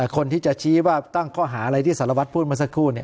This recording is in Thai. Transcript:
คนที่จะชี้ว่าตั้งข้อหาอะไรที่สารวัตรพูดมาสักครู่